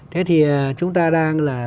thế thì chúng ta đang là